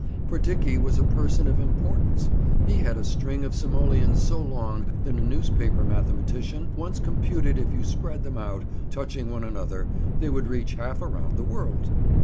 For Dickie was a person of importance. He had a string of simoleons so long that a newspaper mathematician once computed if you spread them out, touching one another, they would reach half around the world.